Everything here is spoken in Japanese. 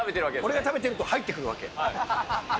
俺が食べてると、入ってくるえ？